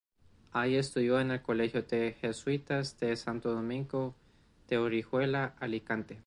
Allí estudió en el colegio de jesuitas de Santo Domingo de Orihuela, Alicante.